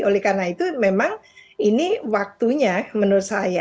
oleh karena itu memang ini waktunya menurut saya